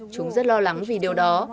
chúng rất lo lắng vì điều đó